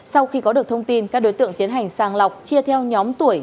sau khi có được thông tin các đối tượng tiến hành sàng lọc chia theo nhóm tuổi